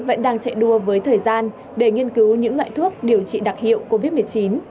vẫn đang chạy đua với thời gian để nghiên cứu những loại thuốc điều trị đặc hiệu covid một mươi chín